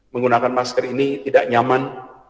menggunakan masker ini tidak nyaman